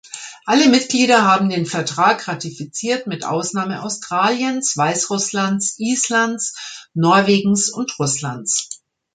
Alle Mitglieder haben den Vertrag ratifiziert, mit Ausnahme Australiens, Weißrusslands, Islands, Norwegens und Russlands.